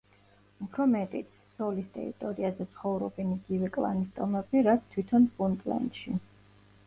უფრო მეტიც, სოლის ტერიტორიაზე ცხოვრობენ იგივე კლანის ტომები, რაც თვითონ პუნტლენდში.